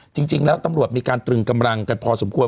จริงแล้วตำรวจมีการตรึงกำลังกันพอสมควร